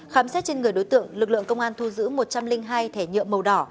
khám xét trên người đối tượng lực lượng công an thu giữ một trăm linh hai thẻ nhựa màu đỏ